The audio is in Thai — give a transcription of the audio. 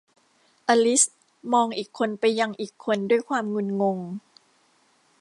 อลิซมองอีกคนไปยังอีกคนด้วยความงุนงง